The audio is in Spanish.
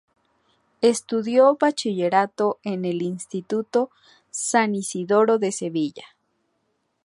Estudió bachillerato en el Instituto San Isidoro de Sevilla.